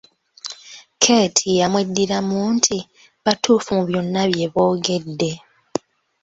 Keeti yamweddiramu nti, batuufu mu byonna bye boogedde.